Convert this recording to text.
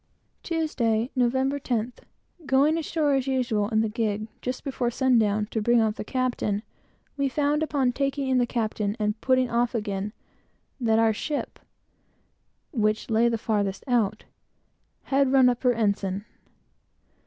Tuesday, Nov. 10th. Going ashore, as usual, in the gig, just before sundown, to bring off the captain, we found, upon taking in the captain and pulling off again, that our ship, which lay the farthest out, had run up her ensign.